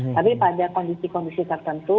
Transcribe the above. tapi pada kondisi kondisi tertentu